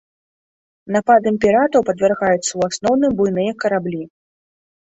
Нападам піратаў падвяргаюцца ў асноўным буйныя караблі.